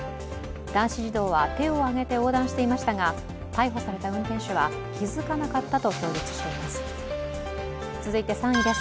男子児童は手を挙げて横断していましたが逮捕された運転手は気付かなかったと供述しています。